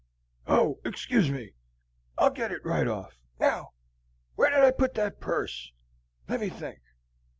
"Oh, excuse me! I'll get it right off. Now, where did I put that purse? Let me think."